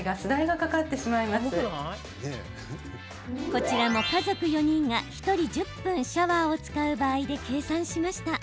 こちらも家族４人が１人１０分シャワーを使う場合で計算しました。